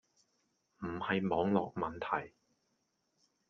唔係網絡問題